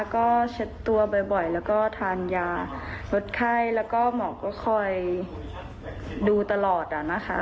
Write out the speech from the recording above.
ก็เช็ดตัวบ่อยแล้วก็ทานยาลดไข้แล้วก็หมอก็คอยดูตลอดนะคะ